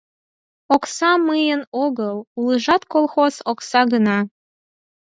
Окса мыйын огыл, улыжат колхоз окса гына.